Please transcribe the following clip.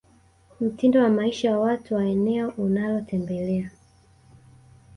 mtindo wa maisha wa watu wa eneo unalotembelea